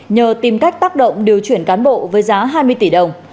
nhờ tìm cách tác động điều chuyển cán bộ với giá hai mươi tỷ đồng